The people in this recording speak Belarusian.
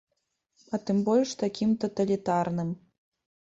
А тым больш такім таталітарным.